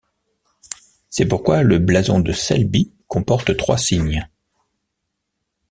C'est pourquoi le blason de Selby comporte trois cygnes.